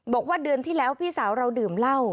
บอกว่าเดือนที่แล้วพี่สาวเราดื่มเหล้า